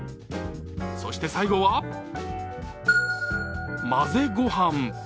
そして最後は混ぜ御飯。